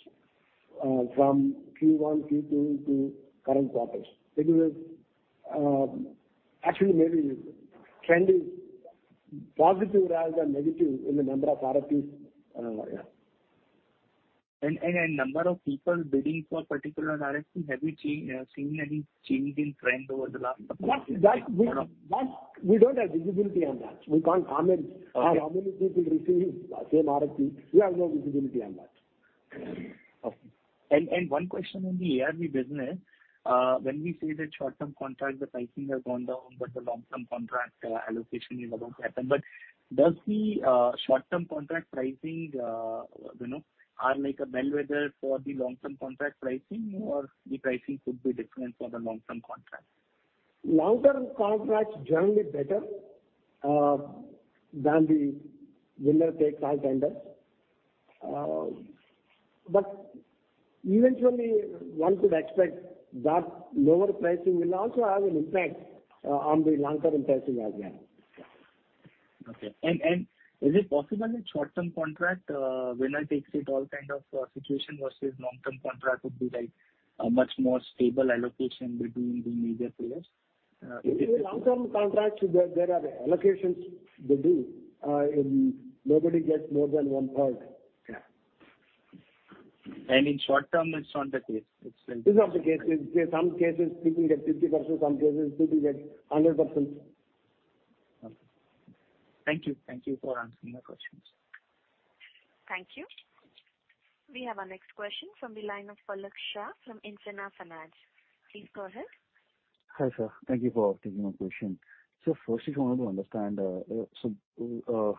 Speaker 3: from Q1, Q2 to current quarters. Because actually maybe trend is positive rather than negative in the number of RFPs, yeah.
Speaker 12: Number of people bidding for particular RFP, have you seen any change in trend over the last couple of years?
Speaker 3: That we don't have visibility on that. We can't comment.
Speaker 12: Okay.
Speaker 3: How many people receive same RFP? We have no visibility on that.
Speaker 12: Okay. One question on the ARV business. When we say that short-term contract, the pricing has gone down, but the long-term contract, allocation is about to happen. Does the short-term contract pricing, you know, are like a bellwether for the long-term contract pricing or the pricing could be different for the long-term contract?
Speaker 3: Long-term contracts generally better than the winner takes all tender. Eventually one could expect that lower pricing will also have an impact on the long-term pricing as well.
Speaker 12: Okay. Is it possible in short-term contract, winner takes it all kind of situation versus long-term contract would be like a much more stable allocation between the major players? Is it-
Speaker 3: In long-term contracts, there are allocations they do, and nobody gets more than one-third.
Speaker 12: Yeah. In short term it's not the case.
Speaker 3: It's not the case. In some cases people get 50%, some cases people get 100%.
Speaker 12: Okay. Thank you. Thank you for answering my questions.
Speaker 1: Thank you. We have our next question from the line of Palak Shah from Infina Finance. Please go ahead.
Speaker 13: Hi, sir. Thank you for taking my question. Sir, first I wanted to understand, our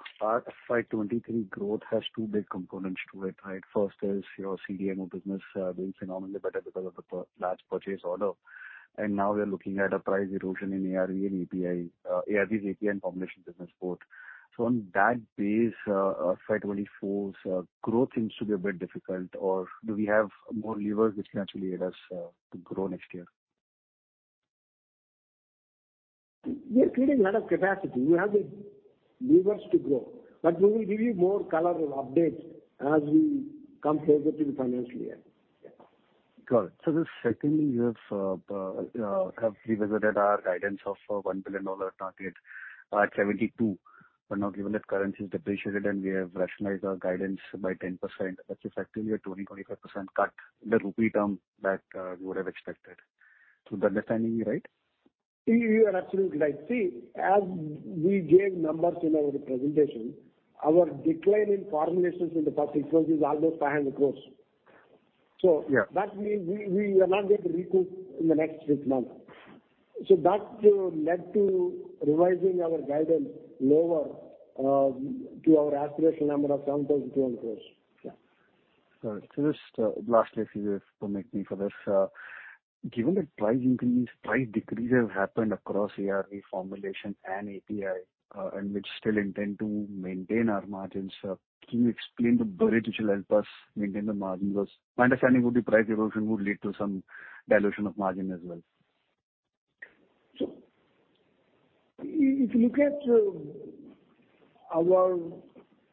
Speaker 13: FY 2023 growth has two big components to it, right? First is your CDMO business, doing phenomenally better because of the large purchase order. Now we are looking at a price erosion in ARV and API, ARVs, API and formulation business both. On that basis, FY 2024's growth seems to be a bit difficult or do we have more levers which can actually aid us to grow next year?
Speaker 3: We're creating a lot of capacity. We have the levers to grow. We will give you more color or updates as we come closer to the financial year. Yeah.
Speaker 13: Got it. Secondly, you have have revisited our guidance of $1 billion target at 72. Now given that currency has depreciated and we have rationalized our guidance by 10%, that's effectively a 20%-25% cut in the rupee term that you would have expected. The understanding is right?
Speaker 3: You are absolutely right. See, as we gave numbers in our presentation, our decline in formulations in the past six months is almost 500 crore.
Speaker 13: Yeah.
Speaker 3: That means we are not going to recoup in the next six months. That led to revising our guidance lower to our aspirational number of INR 7,200 crores. Yeah.
Speaker 13: Just lastly, if you could permit me for this. Given that price decrease have happened across ARV formulation and API, and we still intend to maintain our margins, can you explain the way it will help us maintain the margin? Because my understanding would be price erosion would lead to some dilution of margin as well.
Speaker 3: If you look at our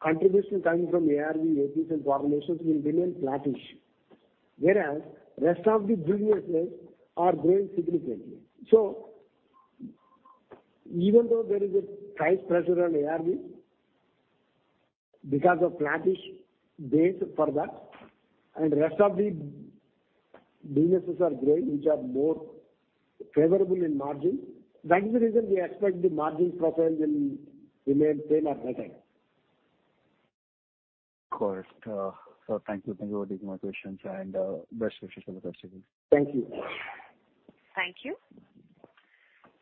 Speaker 3: contribution coming from ARV, APIs and formulations will remain flattish, whereas rest of the businesses are growing significantly. Even though there is a price pressure on ARV because of flattish base for that, and rest of the businesses are growing, which are more favorable in margin. That is the reason we expect the margin profile will remain same or better.
Speaker 13: Of course. Thank you. Thank you for taking my questions and best wishes for the rest of the year.
Speaker 3: Thank you.
Speaker 1: Thank you.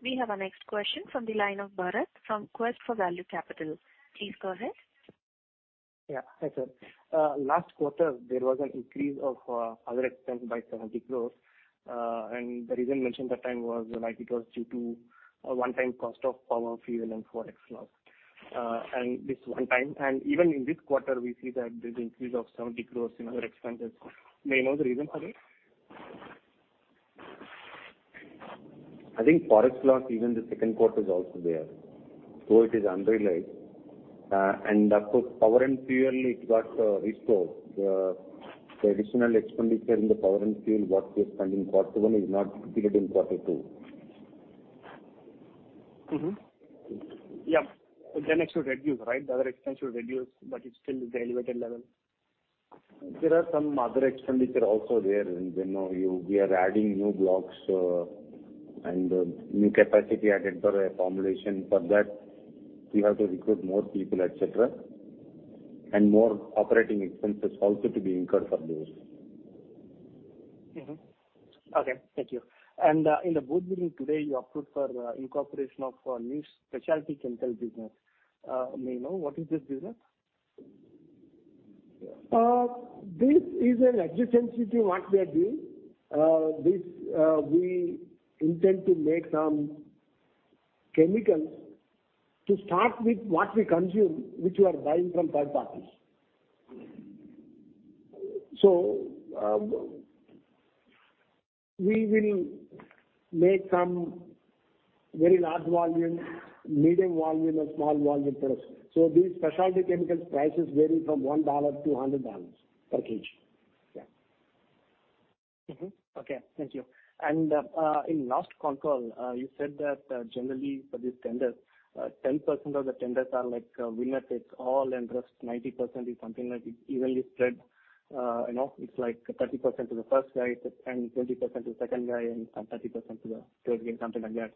Speaker 1: We have our next question from the line of Bharat from ValueQuest Capital. Please go ahead.
Speaker 14: Yeah. Hi, sir. Last quarter, there was an increase of other expense by 70 crore. The reason mentioned that time was like it was due to a one-time cost of power, fuel and Forex loss. Even in this quarter, we see that there's increase of 70 crore in your expenses. May I know the reason for this?
Speaker 4: I think Forex loss, even the second quarter is also there, though it is unrealized. Of course, power and fuel, it got restored. The additional expenditure in the power and fuel, what we are spending in quarter one is not repeated in quarter two.
Speaker 14: Mm-hmm. Yeah. It should reduce, right? The other expense should reduce, but it's still at the elevated level.
Speaker 4: There are some other expenditure also there. You know, we are adding new blocks, and new capacity added for a formulation. For that we have to recruit more people, et cetera, and more operating expenses also to be incurred for those.
Speaker 14: Mm-hmm. Okay. Thank you. In the board meeting today, you approved for incorporation of a new specialty chemical business. May I know what is this business?
Speaker 3: This is an adjacency to what we are doing. This, we intend to make some chemicals to start with what we consume, which we are buying from third parties. We will make some very large volume, medium volume or small volume products. These specialty chemicals prices vary from $1 to $100 per kg.
Speaker 14: Mm-hmm. Okay. Thank you. In last con call, you said that, generally for these tenders, 10% of the tenders are like, winner takes all, and rest 90% is something like it's evenly spread. You know, it's like 30% to the first guy and 20% to the second guy and 10%, 30% to the third guy, something like that.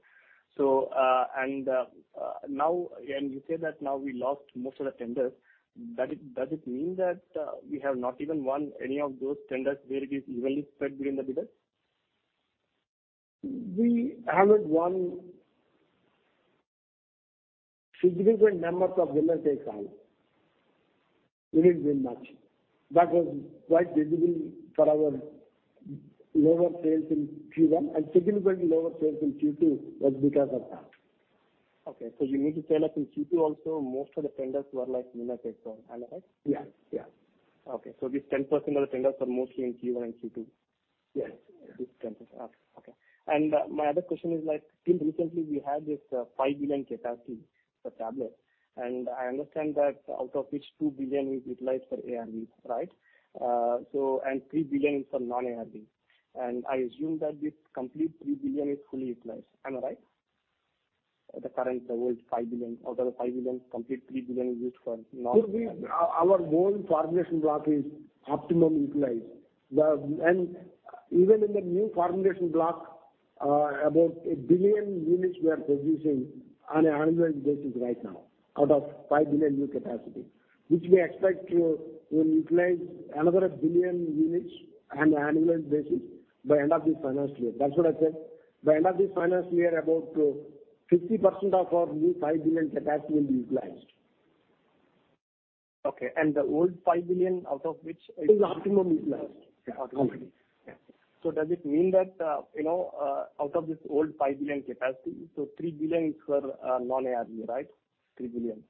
Speaker 14: Now you say that we lost most of the tenders. Does it mean that, we have not even won any of those tenders where it is evenly spread between the bidders?
Speaker 3: We haven't won significant numbers of winner takes all. It isn't much. That was quite visible for our lower sales in Q1 and significantly lower sales in Q2 was because of that.
Speaker 14: Okay. You mean to say that in Q2 also most of the tenders were like winner takes all. Am I right?
Speaker 3: Yeah. Yeah.
Speaker 14: Okay. This 10% of the tenders are mostly in Q1 and Q2?
Speaker 3: Yes. Yes.
Speaker 14: This 10%. Okay. My other question is like till recently we had this 5 billion capacity for tablet, and I understand that out of which 2 billion is utilized for ARVs, right? So, 3 billion is for non-ARV. I assume that this complete 3 billion is fully utilized. Am I right? The current world 5 billion. Out of the 5 billion, complete 3 billion is used for non-ARV.
Speaker 3: Our whole formulation block is optimally utilized. Even in the new formulation block, about 1 billion units we are producing on an annual basis right now out of 5 billion new capacity, which we expect to utilize another 1 billion units on an annual basis by end of this financial year. That's what I said. By end of this financial year about 50% of our new 5 billion capacity will be utilized.
Speaker 14: Okay. The old 5 billion out of which it
Speaker 3: Is optimum utilized? Yeah.
Speaker 14: Does it mean that, you know, out of this old 5 billion capacity, so 3 billion is for non-ARV, right? 3 billion.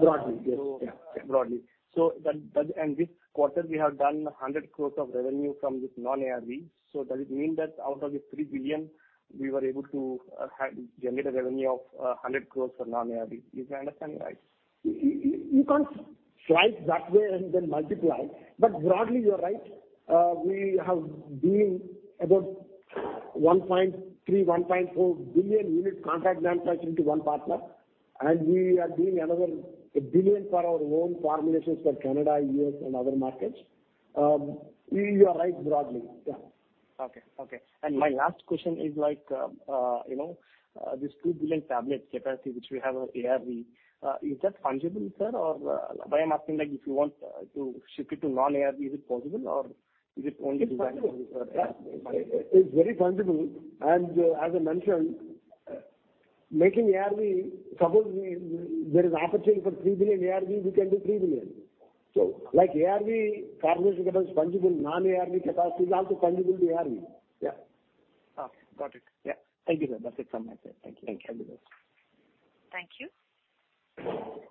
Speaker 3: Broadly, yes. Yeah.
Speaker 14: Broadly. This quarter we have done 100 crore of revenue from this non-ARV. Does it mean that out of the 3 billion we were able to have generated revenue of 100 crore for non-ARV? If I understand you right.
Speaker 3: You can't slice that way and then multiply. Broadly, you are right. We have been about 1.3 billion-1.4 billion units contract manufacturing to one partner, and we are doing another billion for our own formulations for Canada, U.S., and other markets. You are right, broadly. Yeah.
Speaker 14: My last question is like, you know, this 2 billion tablet capacity which we have on ARV, is that fungible, sir? Or, why I'm asking, like, if you want, to ship it to non-ARV, is it possible or is it only designed for ARV?
Speaker 3: It's possible. It's very fungible. As I mentioned, making ARV. Suppose there is opportunity for $3 billion ARV, we can do $3 billion. Like, ARV formulation that was fungible, non-ARV capacity is also fungible to ARV. Yeah.
Speaker 14: Okay. Got it.
Speaker 3: Yeah.
Speaker 14: Thank you, sir. That's it from my side. Thank you.
Speaker 3: Thank you.
Speaker 1: Thank you.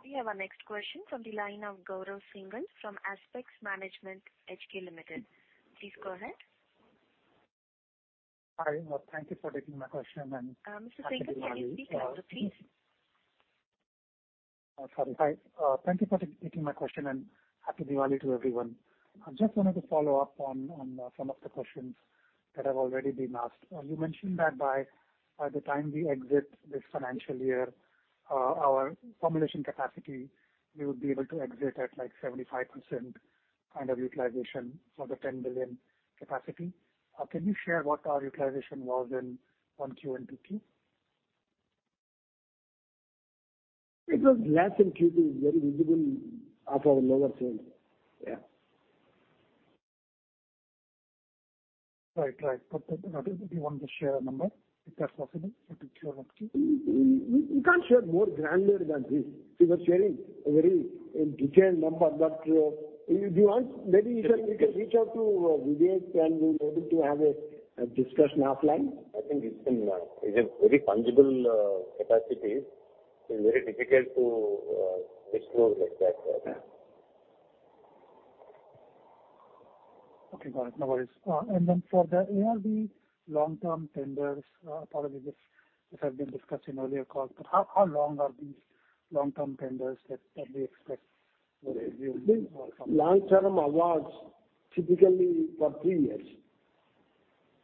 Speaker 1: We have our next question from the line of Gaurav Singhal from Aspex Management (HK) Limited. Please go ahead.
Speaker 15: Hi. Thank you for taking my question, and Happy Diwali.
Speaker 1: Mr. Singhal, can you speak louder, please?
Speaker 15: Sorry. Hi, thank you for taking my question, and Happy Diwali to everyone. I just wanted to follow up on some of the questions that have already been asked. You mentioned that by the time we exit this financial year, our formulation capacity, we would be able to exit at like 75% kind of utilization for the 10 billion capacity. Can you share what our utilization was in Q1 and Q2?
Speaker 3: It was less than Q2, very visible after our lower sales. Yeah.
Speaker 15: Right. If you want to share a number, if that's possible, for 2Q or 1Q.
Speaker 3: We can't share more granular than this. We were sharing a very detailed number, but if you want, maybe you can reach out to Vijay and we'll be able to have a discussion offline.
Speaker 4: I think it is a very fungible capacity. It's very difficult to explore like that. Yeah.
Speaker 15: Okay, got it. No worries. For the ARV long-term tenders, probably this has been discussed in earlier calls, but how long are these long-term tenders that we expect to review or from?
Speaker 3: Long-term awards typically for three years.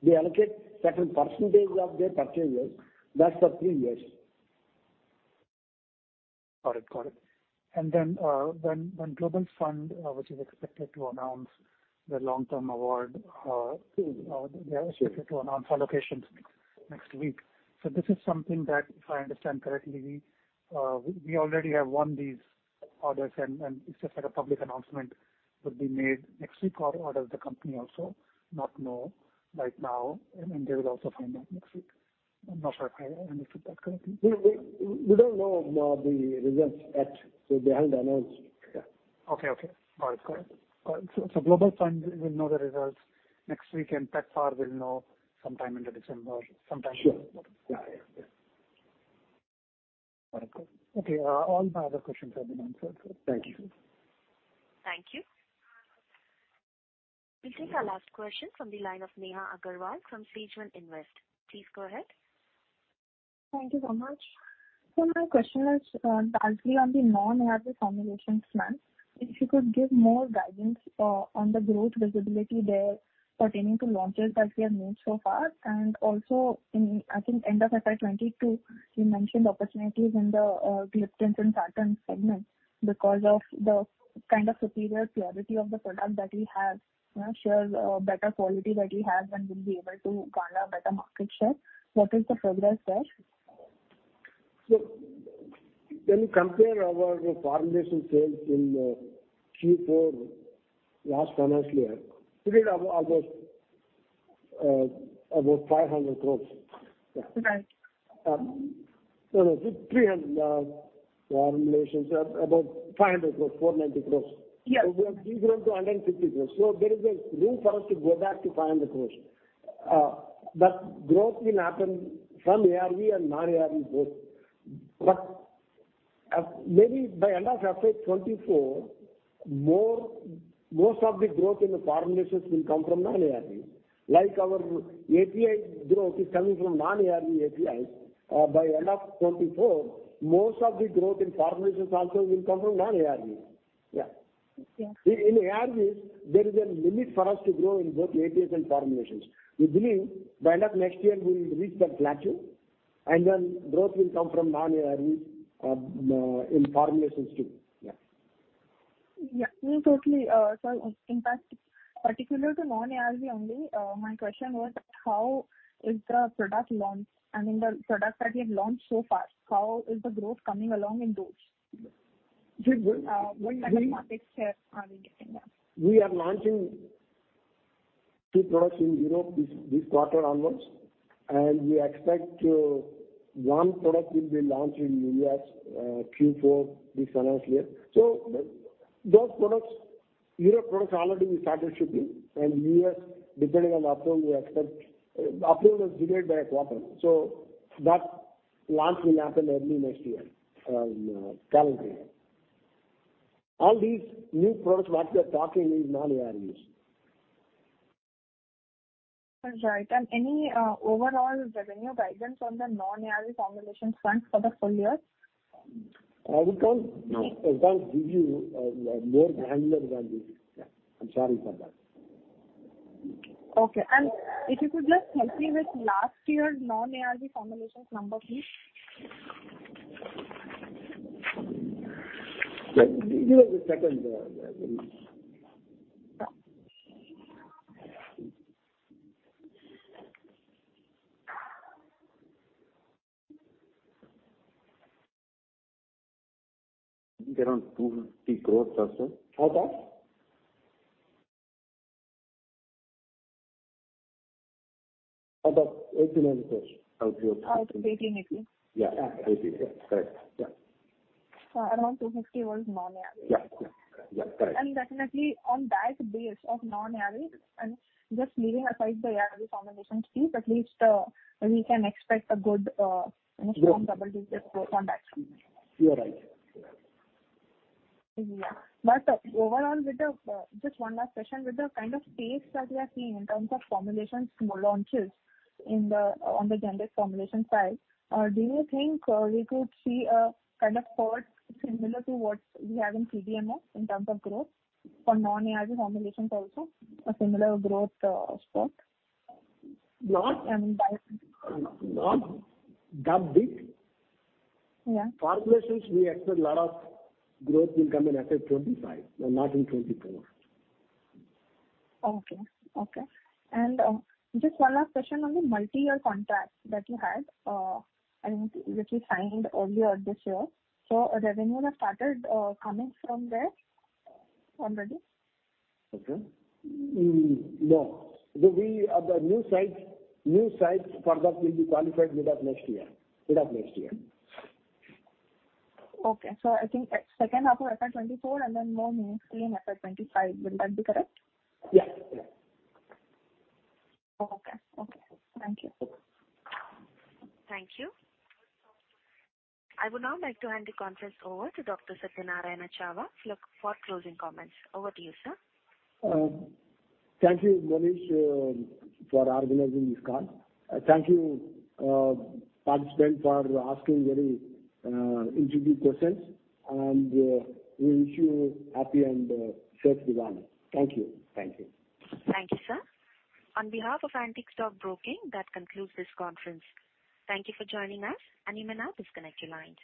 Speaker 3: We allocate certain percentage of their purchases. That's for three years.
Speaker 15: Got it. When Global Fund, which is expected to announce the long-term award, they are expected to announce allocations next week. This is something that, if I understand correctly, we already have won these orders and it's just that a public announcement would be made next week. Or does the company also not know right now, and then they will also find out next week? I'm not sure if I understood that correctly.
Speaker 3: We don't know the results yet. They haven't announced. Yeah.
Speaker 15: Okay. Got it. Global Fund will know the results next week, and PEPFAR will know sometime into December.
Speaker 3: Sure. Yeah.
Speaker 15: Got it. Good. Okay, all my other questions have been answered. Thank you.
Speaker 1: Thank you. We'll take our last question from the line of Neha Agarwal from SageOne Investment Managers. Please go ahead.
Speaker 16: Thank you so much. My question is largely on the non-ARV formulations front. If you could give more guidance on the growth visibility there pertaining to launches that we have made so far. Also, I think, end of FY 2022, you mentioned opportunities in the gliptins and statins segment because of the kind of superior purity of the product that we have, such better quality that we have and will be able to garner better market share. What is the progress there?
Speaker 3: When you compare our formulation sales in Q4 last financial year, it was about 500 crores. Yeah.
Speaker 16: Right.
Speaker 3: No. 300 formulations. About 500 crores, 490 crores.
Speaker 16: Yes.
Speaker 3: We have de-grown to 150 crores. There is a room for us to go back to 500 crores. Growth will happen from ARV and non-ARV both. Maybe by end of FY 2024, most of the growth in the formulations will come from non-ARV. Like our API growth is coming from Non-ARV APIs. By end of 2024, most of the growth in formulations also will come from non-ARV.
Speaker 16: Yes.
Speaker 3: In ARVs there is a limit for us to grow in both APIs and formulations. We believe by end of next year we will reach that plateau, and then growth will come from non-ARVs in formulations too. Yeah.
Speaker 16: Yeah. No, totally, so in fact, particular to non-ARV only, my question was how is the product launch? I mean the product that we have launched so far, how is the growth coming along in those?
Speaker 3: We
Speaker 16: What type of market share are we getting there?
Speaker 3: We are launching two products in Europe this quarter onward. We expect one product will be launched in U.S. Q4 this financial year. Those products, Europe products already we started shipping and U.S. depending on approval, we expect approval is delayed by a quarter, so that launch will happen early next year in calendar year. All these new products what we are talking about is non-ARVs.
Speaker 16: That's right. Any overall revenue guidance on the non-ARV formulations front for the full year?
Speaker 3: I can't-
Speaker 16: No.
Speaker 3: I can't give you more granular than this. I'm sorry for that.
Speaker 16: Okay. If you could just help me with last year's non-ARV formulations number, please.
Speaker 3: Give me a second. Around INR 250 crores or so.
Speaker 16: Okay.
Speaker 3: About $18 million.
Speaker 16: Oh, 18.
Speaker 3: Yeah, 18. Correct. Yeah.
Speaker 16: Around 250 was non-ARV.
Speaker 3: Yeah. Correct.
Speaker 16: Definitely on back of non-ARV and just leaving aside the ARV formulations piece, at least, we can expect a good, you know-
Speaker 3: Good.
Speaker 16: Strong double-digit growth on that front.
Speaker 3: You are right. You are right.
Speaker 16: Overall with the kind of pace that we are seeing in terms of formulations launches on the generic formulation side, do you think we could see a kind of curve similar to what we have in CDMO in terms of growth for non-ARV formulations also, a similar growth spot?
Speaker 3: Not-
Speaker 16: I mean, biosimilar.
Speaker 3: Not that big.
Speaker 16: Yeah.
Speaker 3: Formulations, we expect lot of growth will come in FY 2025, not in 2024.
Speaker 16: Okay. Just one last question on the multi-year contract that you had, and which you signed earlier this year. Revenues have started coming from there already?
Speaker 3: Okay. No. The new sites for that will be qualified mid of next year. Mid of next year.
Speaker 16: Okay. I think second half of FY 2024 and then more meaningfully in FY 2025. Will that be correct?
Speaker 3: Yes. Yes.
Speaker 16: Okay. Thank you.
Speaker 1: Thank you. I would now like to hand the conference over to Dr. Satyanarayana Chava for closing comments. Over to you, sir.
Speaker 3: Thank you, Monish, for organizing this call. Thank you, participant for asking very intuitive questions, and we wish you happy and safe Diwali. Thank you.
Speaker 1: Thank you, sir. On behalf of Antique Stock Broking, that concludes this conference. Thank you for joining us, and you may now disconnect your lines.